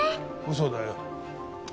嘘だよ。